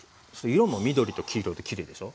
色も緑と黄色できれいでしょ。